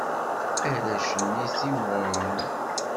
Arrac-nni ttimɣuren.